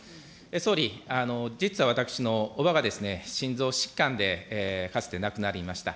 総理、実は私のおばが、心臓疾患でかつて亡くなりました。